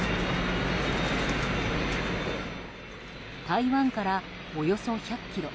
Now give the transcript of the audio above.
台湾からおよそ１００ｋｍ。